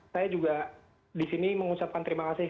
saya juga disini mengucapkan terima kasih